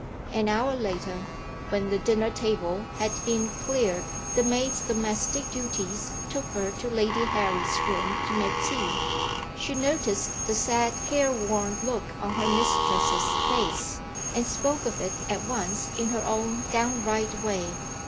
An hour later, when the dinner table had been cleared, the maid's domestic duties took her to Lady Harry's room to make tea. She noticed the sad careworn look on her mistress's face, and spoke of it at once in her own downright way.